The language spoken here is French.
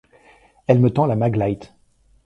Elle me tend la Maglite.